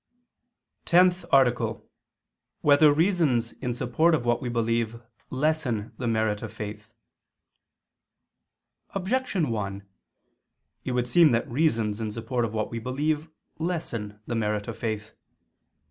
_______________________ TENTH ARTICLE [II II, Q. 2, Art. 10] Whether Reasons in Support of What We Believe Lessen the Merit of Faith? Objection 1: It would seem that reasons in support of what we believe lessen the merit of faith.